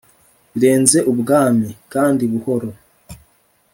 birenze ubwami, kandi buhoro